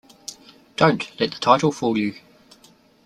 Don't let the title fool you.